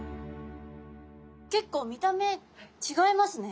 結構見た目ちがいますね。